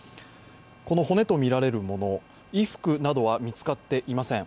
この骨とみられるもの衣服などは見つかっていません。